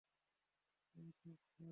আমি খুব সরি।